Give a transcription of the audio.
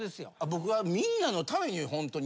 僕はみんなのためにホントに。